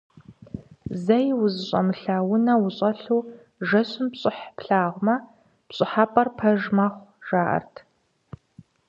Зэи узыщӀэмылъа унэ ущӀэлъу жэщым пщӀыхь плъагъумэ, пщӀыхьэпӀэр пэж мэхъу, жаӀэрт.